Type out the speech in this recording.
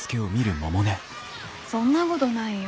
そんなごどないよ。